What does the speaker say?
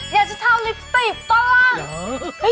อยากจะทำลิปสติฟตอนล่าง